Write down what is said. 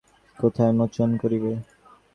সে তাহার বিষদিগ্ধ অগ্নিবাণ জগতে কোথায় মোচন করিবে।